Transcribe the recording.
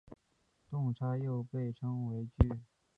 动差又被称为矩。